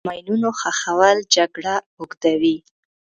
د ماینونو ښخول جګړه اوږدوي.